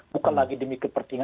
bukan lagi demi ketentingan